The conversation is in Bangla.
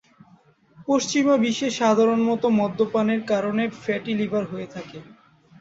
পশ্চিমা বিশ্বে সাধারণত মদ্যপানের কারণে ফ্যাটি লিভার হয়ে থাকে।